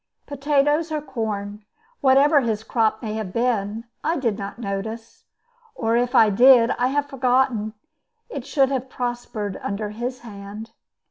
Potatoes or corn, whatever his crop may have been, I did not notice, or, if I did, I have forgotten, it should have prospered under his hand.